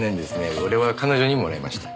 俺は彼女にもらいました。